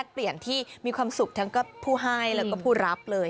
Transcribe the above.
เปลี่ยนที่มีความสุขทั้งผู้ให้แล้วก็ผู้รับเลย